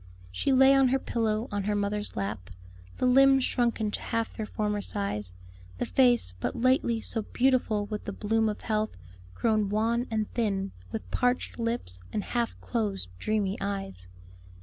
She lay on her pillow on her mother's lap, the limbs shrunken to half their former size, the face, but lately so beautiful with the bloom of health, grown wan and thin, with parched lips and half closed, dreamy eyes.